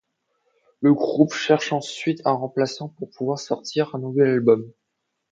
Le groupe cherche ensuite un remplaçant pour pouvoir sortir un nouvel album.